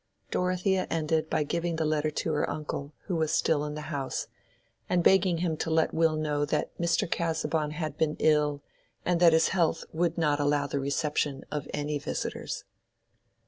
Dorothea ended by giving the letter to her uncle, who was still in the house, and begging him to let Will know that Mr. Casaubon had been ill, and that his health would not allow the reception of any visitors.